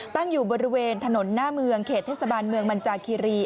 ตั้งอยู่บริเวณถนนหน้าเมืองเขตเทศบาลเมืองมันจาคีรี